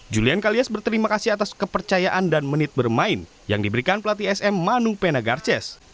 julian kalias berterima kasih atas kepercayaan dan menit bermain yang diberikan pelatih sm manu penagarces